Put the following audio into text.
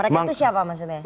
mereka itu siapa maksudnya